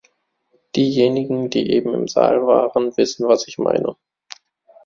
Diejenigen, die eben im Saal waren, wissen, was ich meine.